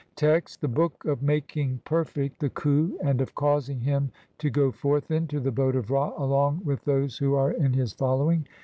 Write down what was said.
Text : (1) The Book of making perfect the khu and OF CAUSING HIM TO GO FORTH INTO THE BOAT OF RA ALONG WITH THOSE WHO ARE IN HIS FOLLOWING